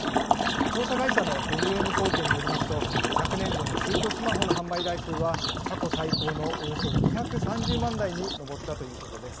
調査会社のＭＭ総研によりますと、昨年度の中古スマホの販売台数は過去最高のおよそ２３０万台に上ったということです。